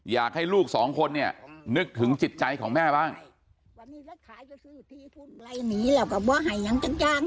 อยากให้ลูกสองคนเนี่ยนึกถึงจิตใจของแม่บ้าง